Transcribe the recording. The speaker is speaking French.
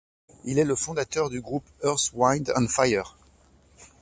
Il est le fondateur du groupe Earth, Wind and Fire.